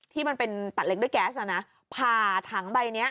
ที่มันเป็นตัดเล็กด้วยแก๊สอ่ะนะผ่าถังใบนี้